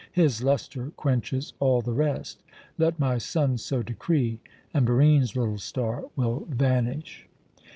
His lustre quenches all the rest. Let my sun so decree, and Barine's little star will vanish."